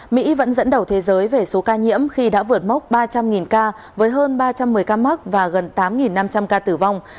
mỹ vẫn dẫn đầu thế giới về số ca nhiễm khi đã vượt mốc ba trăm linh ca với hơn ba trăm một mươi ca mắc và gần tám năm trăm linh ca tử vong